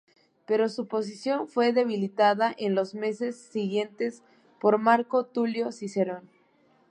Pero su posición fue debilitada en los meses siguientes por Marco Tulio Cicerón.